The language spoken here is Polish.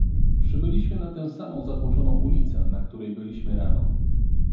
"Przybyliśmy na tę samą zatłoczoną ulicę, na której byliśmy rano."